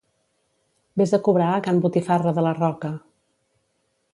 Ves a cobrar a can botifarra de la Roca.